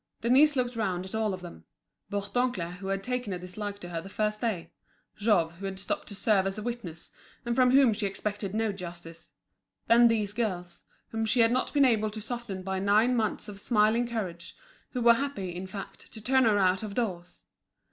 Denise looked round at all of them: Bourdoncle, who had taken a dislike to her the first day; Jouve, who had stopped to serve as a witness, and from whom she expected no justice; then these girls whom she had not been able to soften by nine months of smiling courage, who were happy, in fact, to turn her out of doors.